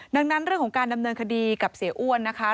ดังนั้นเรื่องของการดำเนินคดีกับเสียอ้วนนะคะ